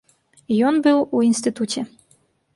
Ён быў у інстытуце.